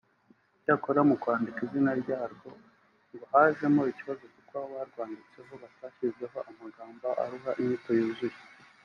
Icyakora mu kwandika izina ryarwo ngo hajemo ikibazo kuko abarwanditseho batashyizeho amagambo aruha inyito yuzuye